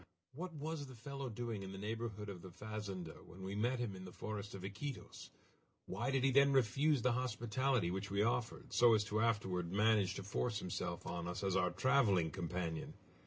What was the fellow doing in the neighborhood of the fazenda when we met him in the forest of Iquitos? Why did he then refuse the hospitality which we offered, so as to afterward manage to force himself on us as our traveling companion?